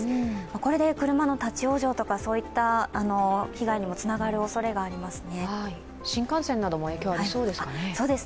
これで車の立往生とか、そういった被害にもつながるおそれがありますね。